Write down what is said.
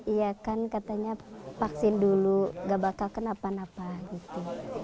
iya kan katanya vaksin dulu gak bakal kenapa napa gitu